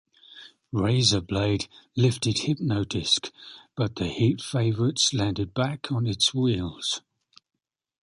Raizer Blade lifted Hypno-Disc, but the heat favourites landed back on its wheels.